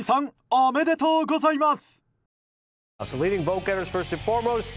おめでとうございます！